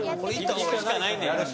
いくしかないねん。